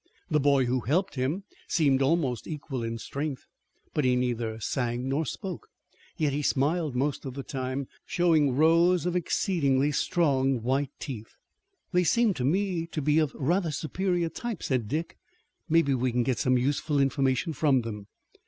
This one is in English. The boy who helped him seemed almost his equal in strength, but he neither sang nor spoke. Yet he smiled most of the time, showing rows of exceedingly strong, white teeth. "They seem to me to be of rather superior type," said Dick. "Maybe we can get useful information from them."